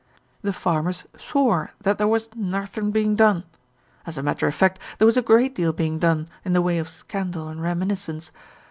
The farmers swore that there was "narthen being done." As a matter of fact there was a great deal being done in the way of scandal and reminiscence.